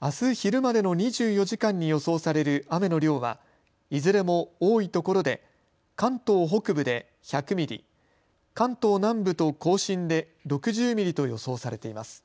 あす昼までの２４時間に予想される雨の量はいずれも多いところで関東北部で１００ミリ、関東南部と甲信で６０ミリと予想されています。